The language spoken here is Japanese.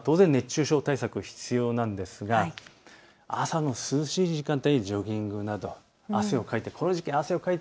熱中症対策、必要なんですが朝の涼しい時間帯にジョギングなど汗をかいておくように。